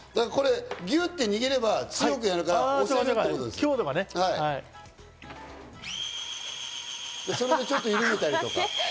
これギュッて握れば強くなるから、それでちょっと緩めたりとか。